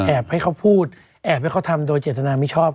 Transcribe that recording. ให้เขาพูดแอบให้เขาทำโดยเจตนาไม่ชอบ